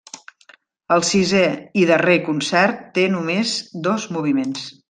El sisè i darrer concert té només dos moviments.